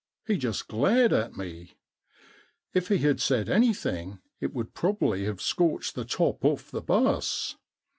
He just glared at me. If he had said anything it would probably have scorched the top off the bus.